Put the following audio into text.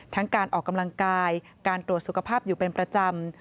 ทั้งการออกกำลังกายการตรวจสุขภาพอยู่เป็นประจำ